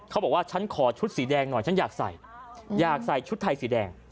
บอกว่าฉันขอชุดสีแดงหน่อยฉันอยากใส่อยากใส่ชุดไทยสีแดง